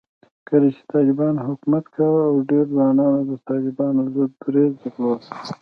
کله چې طالبانو حکومت کاوه، ډېرو ځوانانو د طالبانو ضد دریځ درلود